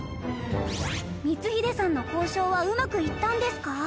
光秀さんの交渉はうまくいったんですか？